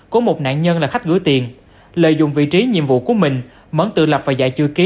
của một nạn nhân là khách gửi tiền lợi dụng vị trí nhiệm vụ của mình mẫn tự lập và giải chư ký